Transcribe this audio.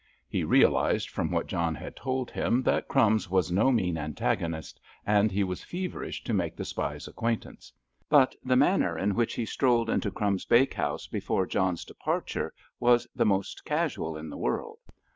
He realised, from what John had told him, that "Crumbs" was no mean antagonist, and he was feverish to make the spy's acquaintance. But the manner in which he strolled into "Crumbs's" bakehouse before John's departure was the most casual in the world.